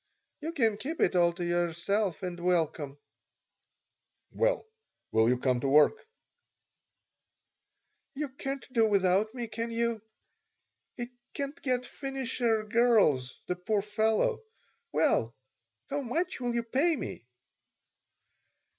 "You can keep it all to yourself and welcome." "Well, will you come to work?" "You can't do without me, can you? He can't get finisher girls, the poor fellow. Well, how much will you pay me?"